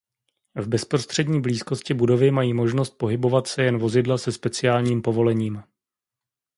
V bezprostřední blízkosti budovy mají možnost pohybovat se jen vozidla se speciálním povolením.